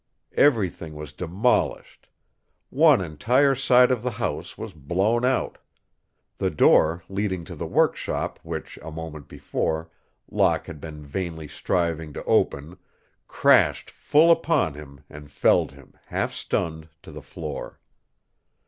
Everything was demolished. One entire side of the house was blown out. The door leading to the workshop which a moment before Locke had been vainly striving to open crashed full upon him and felled him, half stunned, to the floor.